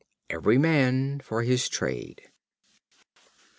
Every man for his trade.